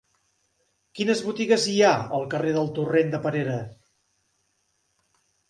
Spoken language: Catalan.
Quines botigues hi ha al carrer del Torrent de Perera?